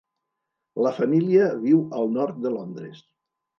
La família viu al nord de Londres.